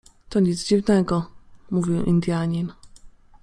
-To nic dziwnego - mówił Indianin.